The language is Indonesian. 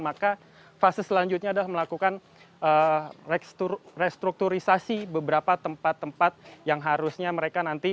maka fase selanjutnya adalah melakukan restrukturisasi beberapa tempat tempat yang harusnya mereka nanti